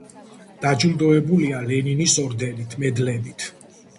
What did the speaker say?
დაჯილდოებულია ლენინის ორდენით, მედლებით.